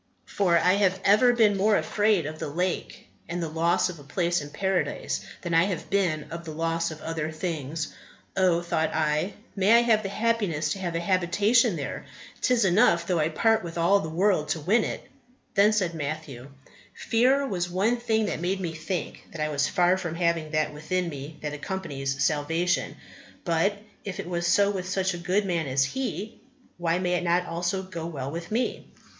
For I have ever been more afraid of the lake, and the loss of a place in Paradise, than I have been of the loss of other things. Oh! thought I, may I have the happiness to have a habitation there: 'tis enough though I part with all the world to win it." Then said Matthew, "Fear was one thing that made me think that I was far from having that within me that accompanies salvation; but if it was so with such a good man as he, why may it not also go well with me?"